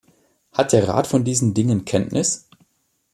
Hat der Rat von diesen Dingen Kenntnis?